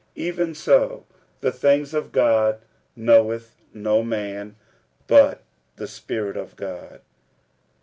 even so the things of God knoweth no man, but the Spirit of God.